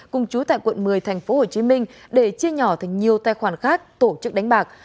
cùng chú tại quận một mươi tp hcm để chia nhỏ thành nhiều tài khoản khác tổ chức đánh bạc